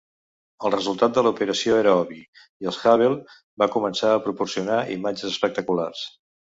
El resultat de l'operació era obvi, i el Hubble va començar a proporcionar imatges espectaculars.